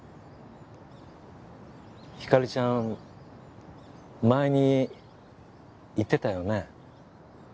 ひかりちゃん前に言ってたよね。